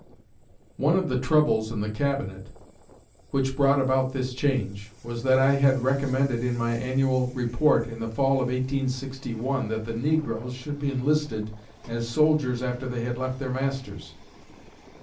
"One of the troubles in the Cabinet which brought about this change was that I had recommended in my annual report, in the fall of 1861, that the negroes should be enlisted as soldiers after they left their masters.